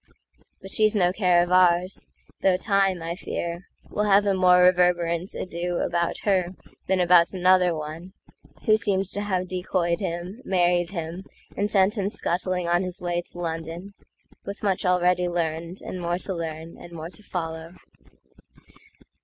But she's no care of ours, though Time, I fear, Will have a more reverberant adoAbout her than about another oneWho seems to have decoyed him, married him, And sent him scuttling on his way to London,—With much already learned, and more to learn, And more to follow.